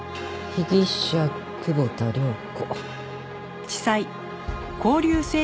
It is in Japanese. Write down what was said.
「被疑者久保田涼子」。